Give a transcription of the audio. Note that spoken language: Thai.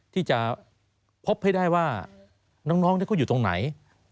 ที่จะพบให้ได้ว่าน้องเขาอยู่ตรงไหน